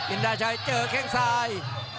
อินดาชัยเจอแข้งซ้าย